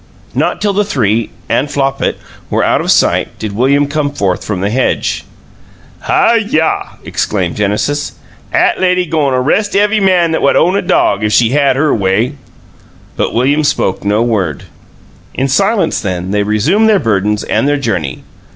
Not till the three (and Flopit) were out of sight did William come forth from the hedge. "Hi yah!" exclaimed Genesis. "'At lady go'n a 'rest ev'y man what own a dog, 'f she had her way!" But William spoke no word. In silence, then, they resumed their burdens and their journey.